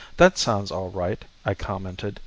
That sounds all right," I commented.